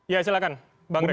ya silahkan bang riz